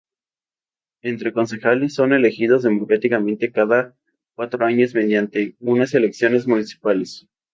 Los concejales son elegidos democráticamente cada cuatro años mediante unas elecciones municipales.